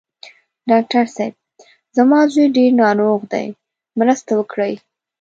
ډاکټر صېب! زما زوی ډېر ناروغ دی، مرسته وکړئ.